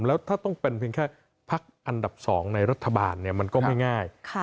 แล้วถ้าต้องเป็นเพียงแค่พักอันดับ๒ในรัฐบาลมันก็ไม่ง่าย